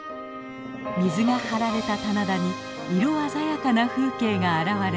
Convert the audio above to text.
水が張られた棚田に色鮮やかな風景が現れます。